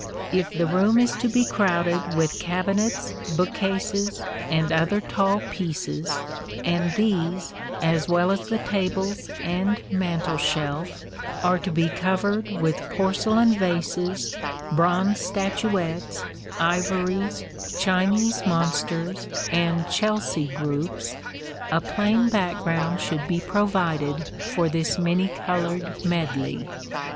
If the room is to be crowded with cabinets, bookcases and other tall pieces, and these, as well as the tables and mantel shelf, are to be covered with porcelain vases, bronze statuettes, ivories, Chinese monsters and Chelsea groups, a plain background should be provided for this many colored medley.